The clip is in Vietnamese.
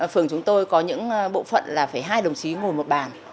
phường chúng tôi có những bộ phận là phải hai đồng chí ngồi một bàn